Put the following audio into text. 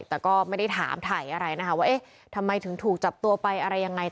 แต่ก็ไม่ได้ถามถ่ายอะไรนะคะว่าเอ๊ะทำไมถึงถูกจับตัวไปอะไรยังไง